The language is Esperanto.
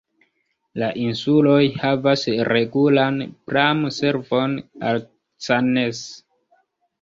La insuloj havas regulan pram-servon al Cannes.